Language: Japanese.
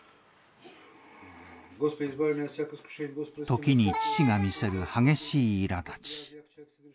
時に父が見せる激しいいらだち。